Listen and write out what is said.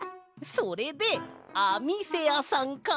それで「あ」みせやさんか！